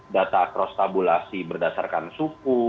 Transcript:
data cross tabulasi berdasarkan suku